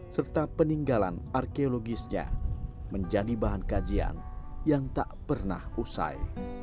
serta peninggalan arkeologisnya menjadi bahan kajian yang tak pernah usai